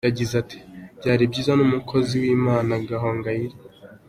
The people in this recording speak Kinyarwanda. Yagize ati “Byari byiza numukozi w’Imana gahongayire.